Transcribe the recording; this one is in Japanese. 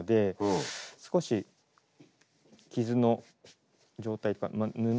少し傷の状態